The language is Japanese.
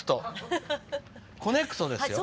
「コネクト」ですよ。